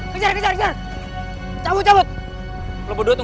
bedak bedak bedak